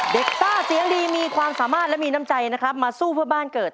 ซ่าเสียงดีมีความสามารถและมีน้ำใจนะครับมาสู้เพื่อบ้านเกิด